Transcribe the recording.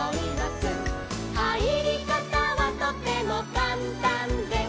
「はいりかたはとてもかんたんです」